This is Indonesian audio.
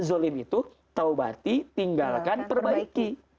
zolim itu taubati tinggalkan perbaiki